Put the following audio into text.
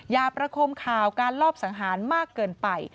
อย่าประคมข่าวการลอบสังหารมากเกินไป